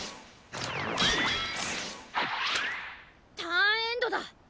ターンエンドだ。